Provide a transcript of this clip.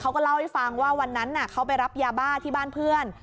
เขาก็เล่าให้ฟังว่าวันนั้นเขาไปรับยาบ้าที่บ้านเพื่อน